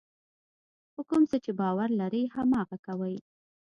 په کوم څه چې باور لرئ هماغه کوئ.